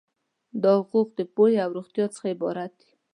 دا حقوق د پوهې او روغتیا څخه عبارت دي.